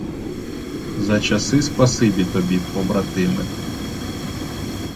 За часи спасибі тобі, побратиме!